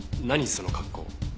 その格好。